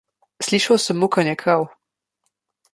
Slišal sem mukanje krav.